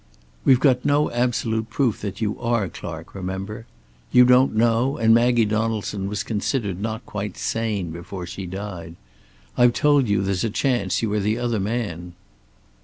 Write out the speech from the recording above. "We've got no absolute proof that you are Clark, remember. You don't know, and Maggie Donaldson was considered not quite sane before she died. I've told you there's a chance you are the other man."